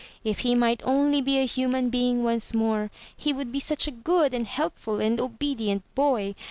If he might only be a human being once more, he would be such a good and helpful and obedient boy.